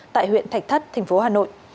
tại huyện thạch thất tp hà nội